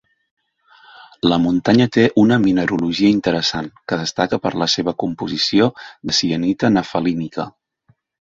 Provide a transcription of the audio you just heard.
La muntanya té una mineralogia interessant, que destaca per la seva composició de sienita nefelínica.